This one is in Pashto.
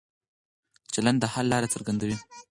چلن د حل لاره څرګندوي.